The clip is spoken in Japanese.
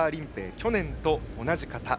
去年と同じ形。